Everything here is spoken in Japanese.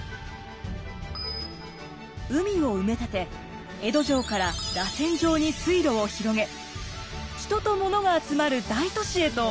海を埋め立て江戸城かららせん状に水路を広げ人とものが集まる大都市へと変貌させました。